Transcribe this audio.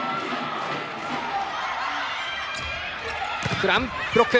クランブロック。